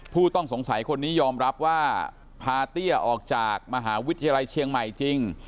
ผู้ต้องสงสัยคนนี้ยอมรับว่าพาเตี้ยออกจากมหาวิทยาลัยเชียงใหม่จริง